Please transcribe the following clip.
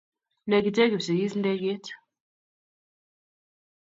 Negite Kipsigis ndeget